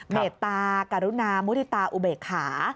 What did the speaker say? เมตตากรุณามุฒิตาอุเบกขา